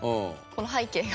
この背景が。